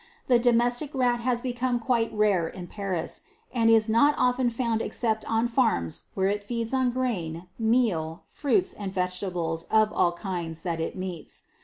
The domestic rat has become quite rare in Paris, and is not often found except on farms where it feeds on grain, meal, fruits, and vegetables of all kinds that it meets.